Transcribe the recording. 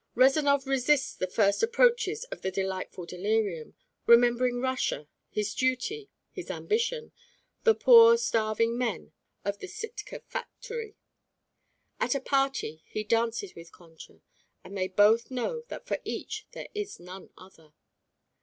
Rezanov resists the first approaches of the delightful delirium, remembering Russia, his duty, his ambition, the poor starving men of the Sitka factory. At a party he dances with Concha and they both know that for each there is none other.